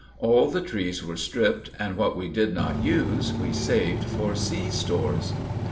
All the trees were stripped, and what we did not use we saved for sea stores.